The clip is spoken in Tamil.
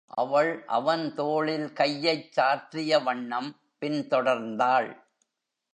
அவள் அவன் தோளில் கையைச் சார்த்திய வண்ணம் பின் தொடர்ந்தாள்.